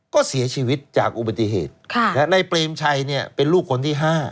ก็เสียชีวิตจากอุบัติเหตุในเปรมชัยเป็นลูกคนที่๕